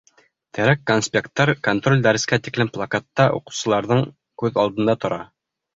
Терәк конспекттар контроль дәрескә тиклем плакатта уҡыусыларҙың күҙ алдында тора.